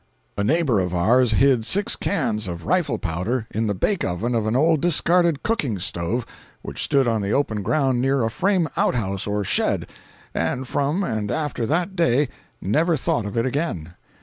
A neighbor of ours hid six cans of rifle powder in the bake oven of an old discarded cooking stove which stood on the open ground near a frame out house or shed, and from and after that day never thought of it again.